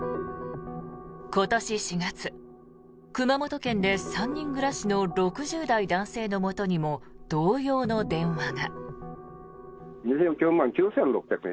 今年４月熊本県で３人暮らしの６０代男性のもとにも同様の電話が。